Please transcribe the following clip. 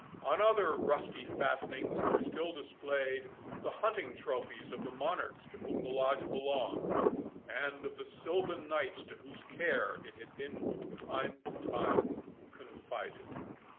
On other rusty fastenings were still displayed the hunting trophies of the monarchs to whom the Lodge belonged, and of the silvan knights to whose care it had been from time to time confided.